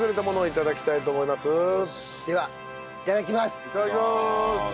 いただきまーす。